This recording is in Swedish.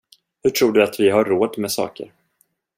Hur tror du att vi har råd med saker?